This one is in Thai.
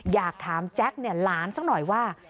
อยากถามแจ๊กหลานสักหน่อยว่า